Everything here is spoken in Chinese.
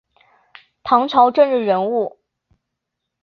唐朝政治人物。